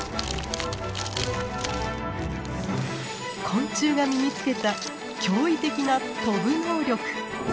昆虫が身につけた驚異的な飛ぶ能力。